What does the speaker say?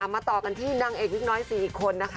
อามาต่อกันที่ดั่งเอกวิ๊กน้อย๔คนนะคะ